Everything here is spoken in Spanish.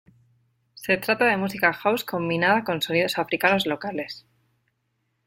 Se trata de música house combinada con sonidos africanos locales.